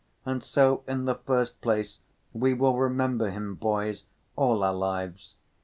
And so in the first place, we will remember him, boys, all our lives.